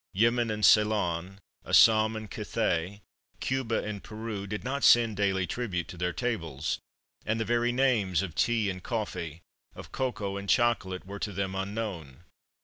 Yemen and Ceylon, Assam and Cathay, Cuba and Peru, did not send daily tribute to their tables, and the very names of tea and coffee, of cocoa and chocolate, were to them unknown.